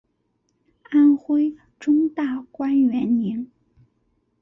宋徽宗大观元年。